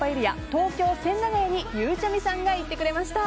東京・千駄ヶ谷にゆうちゃみさんが行ってくれました。